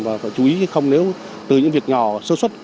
và có chú ý không nếu từ những việc nhỏ sơ xuất